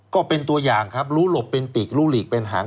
ก็เป็นตัวอย่างครับรู้หลบเป็นปีกรู้หลีกเป็นหาง